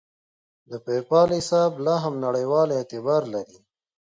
د پیپال حساب لاهم نړیوال اعتبار لري.